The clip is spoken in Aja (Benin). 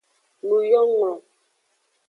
Nuyonglo.